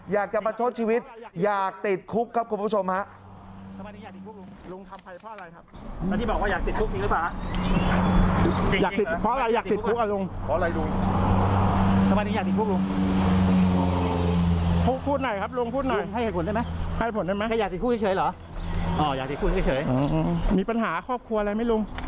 อยากจะประชดชีวิตอยากติดคุกครับคุณผู้ชมฮะ